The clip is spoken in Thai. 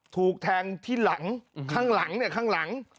ถูกแทงที่หลังข้างหลังเนี่ยข้างหลัง